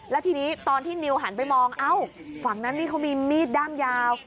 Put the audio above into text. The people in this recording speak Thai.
แล้วทีนี้ตอนที่นิวหันไปมองเอ้าฝั่งนั้นนี่เขามีมีดด้ามยาว